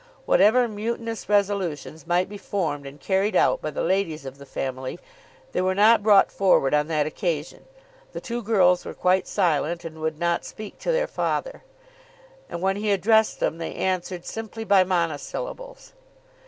Whatever mutinous resolutions might be formed and carried out by the ladies of the family, they were not brought forward on that occasion. The two girls were quite silent, and would not speak to their father, and when he addressed them they answered simply by monosyllables.